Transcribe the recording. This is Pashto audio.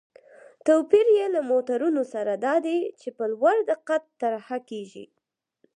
توپیر یې له مترونو سره دا دی چې په لوړ دقت طرحه کېږي.